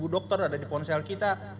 enam belas dokter ada di ponsel kita